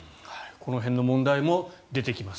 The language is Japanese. この辺の問題も出てきます。